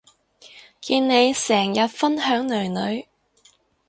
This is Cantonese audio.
見你成日分享囡囡